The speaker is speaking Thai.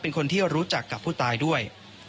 เป็นคนที่รู้จักกับผู้ตายด้วย